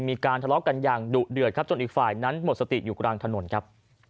มีการทะเลาะกันอย่างดุเดือดครับจนอีกฝ่ายนั้นหมดสติอยู่กลางถนนครับ